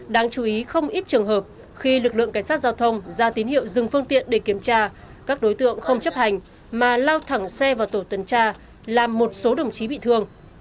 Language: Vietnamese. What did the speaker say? đáng chú ý không ít trường hợp khi lực lượng cảnh sát giao thông ra tín hiệu dừng phương tiện để kiểm tra các đối tượng không chấp hành mà lao thẳng xe vào tổ tuần tra làm một số đồng chí bị thương